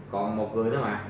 còn một người đó mà